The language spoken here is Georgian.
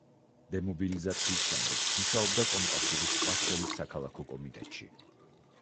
დემობილიზაციის შემდეგ მუშაობდა კომკავშირის ტყვარჩელის საქალაქო კომიტეტში.